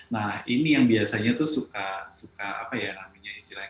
nah ini yang biasanya tuh suka suka apa ya namanya istilahnya